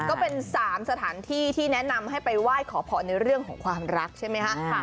ก็เป็น๓สถานที่ที่แนะนำให้ไปไหว้ขอพรในเรื่องของความรักใช่ไหมคะ